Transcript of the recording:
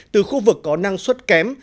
từ khu vực có năng suất kém